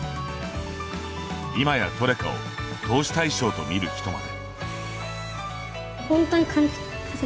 今やトレカを投資対象と見る人まで。